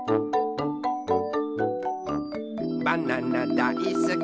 「バナナだいすき